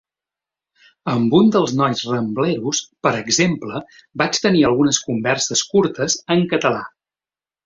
Amb un dels nois Rambleros, per exemple, vaig tenir algunes converses curtes en català.